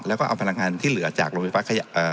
แล้วก็เอาพลังงานที่เหลือจากโรงพยาบาล